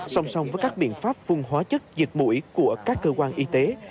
song song với các biện pháp phun hóa chất dịch mũi của các cơ quan y tế